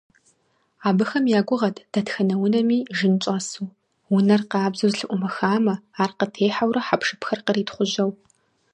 Абыхэм я гугъэт дэтхэнэ унэми жин щӀэсу, унэр къабзэу зэлъыӀумыхамэ, ар къытехьэурэ хьэпшыпхэр къритхъужьэу.